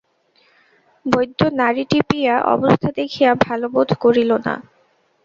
বৈদ্য নাড়ী টিপিয়া অবস্থা দেখিয়া ভালো বোধ করিল না।